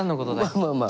まあまあま